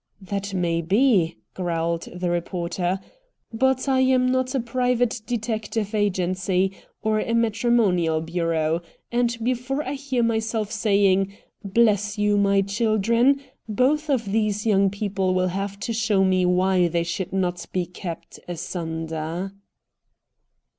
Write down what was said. "That may be," growled the reporter, "but I am not a private detective agency, or a matrimonial bureau, and before I hear myself saying, 'Bless you, my children!' both of these young people will have to show me why they should not be kept asunder."